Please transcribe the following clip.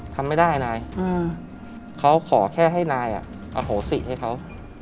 ทำไม่ได้นายเขาขอแค่ให้นายอโหสิให้เขา